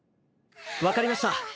わかりました。